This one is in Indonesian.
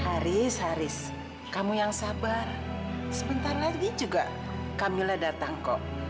haris haris kamu yang sabar sebentar lagi juga kamila datang kok